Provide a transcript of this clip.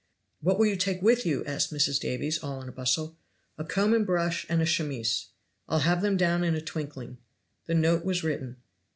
"What will you take with you?" asked Mrs. Davies, all in a bustle. "A comb and brush, and a chemise." "I'll have them down in a twinkling." The note was written.